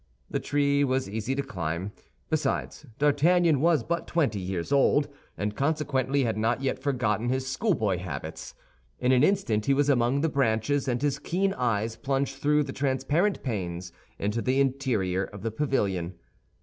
The tree was easy to climb. Besides, D'Artagnan was but twenty years old, and consequently had not yet forgotten his schoolboy habits. In an instant he was among the branches, and his keen eyes plunged through the transparent panes into the interior of the pavilion.